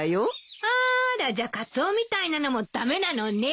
あーらじゃあカツオみたいなのも駄目なのね。